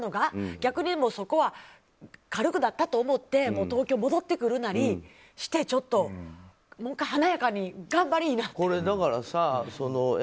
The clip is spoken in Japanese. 逆に、そこは軽くなったと思って東京に戻ってくるなりしてもう１回華やかにがんばりなって。